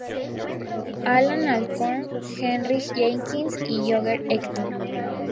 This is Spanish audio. Allan Alcorn, Harry Jenkins y Roger Hector.